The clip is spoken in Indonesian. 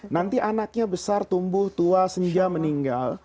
nanti anaknya besar tumbuh tua senja meninggal